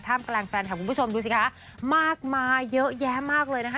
กลางแฟนคลับคุณผู้ชมดูสิคะมากมายเยอะแยะมากเลยนะคะ